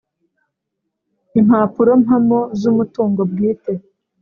Impapurompamo z umutungo bwite